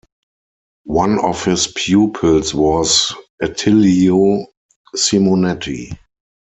One of his pupils was Attilio Simonetti.